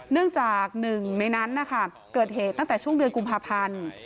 เนื่องจากหนึ่งในนั้นนะคะเกิดเหตุตั้งแต่ช่วงเดือนกุมภาพันธ์